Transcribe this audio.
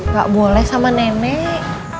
gak boleh sama nenek